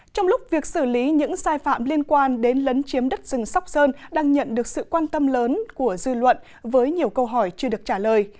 trong lúc việc xử lý những sai phạm liên quan đến lấn chiếm đất rừng sóc sơn đang nhận được sự quan tâm lớn của dư luận với nhiều câu hỏi chưa được trả lời